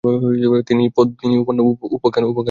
তিনি পদ্মিনী উপাখ্যান রচনা করেন।